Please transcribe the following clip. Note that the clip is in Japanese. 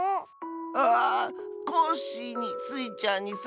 ああコッシーにスイちゃんにサボさん。